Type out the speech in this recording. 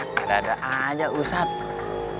eh ada ada aja ustadz